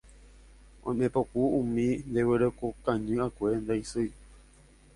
Oimépoku umi ndeguerokañy'akue ndaisýi